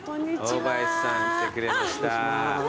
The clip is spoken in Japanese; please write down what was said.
大林さん来てくれました。